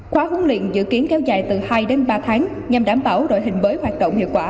khóa huấn luyện dự kiến kéo dài từ hai đến ba tháng nhằm đảm bảo đội hình mới hoạt động hiệu quả